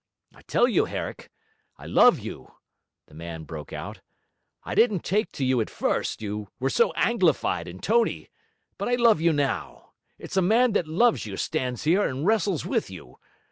I tell you, Herrick, I love you,' the man broke out; 'I didn't take to you at first, you were so anglified and tony, but I love you now; it's a man that loves you stands here and wrestles with you.